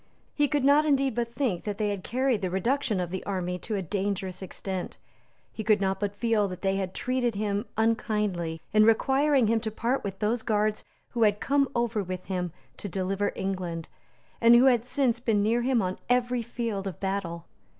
He could not indeed but think that they had carried the reduction of the army to a dangerous extent. He could not but feel that they had treated him unkindly in requiring him to part with those guards who had come over with him to deliver England, and who had since been near him on every field of battle.